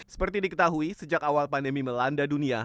seperti diketahui sejak awal pandemi melanda dunia